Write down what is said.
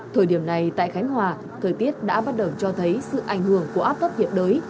thời điểm này tại khánh hòa thời tiết đã bắt đầu cho thấy sự ảnh hưởng của áp thấp nhiệt đới